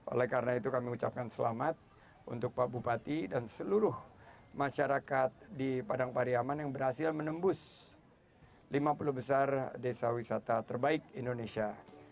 oleh karena itu kami ucapkan selamat untuk pak bupati dan seluruh masyarakat di padang pariaman yang berhasil menembus lima puluh besar desa wisata terbaik indonesia